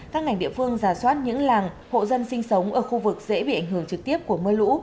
các ngành địa phương giả soát những làng hộ dân sinh sống ở khu vực dễ bị ảnh hưởng trực tiếp của mưa lũ